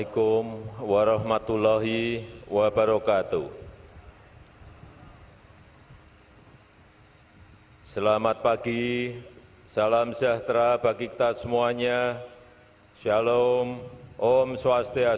kepada inspektur upacara hormat senjata